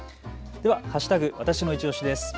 では＃わたしのいちオシです。